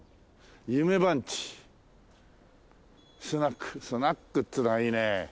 「夢番地スナック」スナックっていうのがいいね。